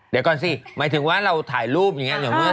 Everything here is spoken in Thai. เดี๋ยวก่อนสิหมายถึงว่าเราถ่ายรูปอย่างนี้